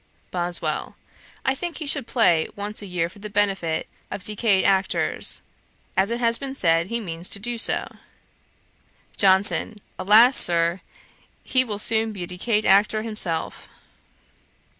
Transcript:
BOSWELL. 'I think he should play once a year for the benefit of decayed actors, as it has been said he means to do.' JOHNSON. 'Alas, Sir! he will soon be a decayed actor himself.'